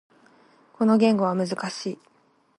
この言語は難しい。